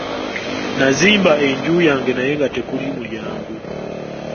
Nazimba enju yange naye nga tekuli mulyango.